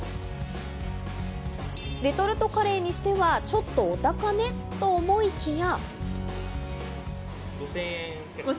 レトルトカレーにしてはちょっとお高めと思いきや。